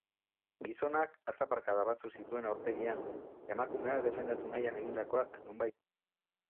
Gizonak atzaparkada batzuk zituen aurpegian, emakumeak defendatu nahian egindakoak, nonbait.